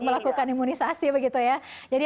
melakukan imunisasi begitu ya jadi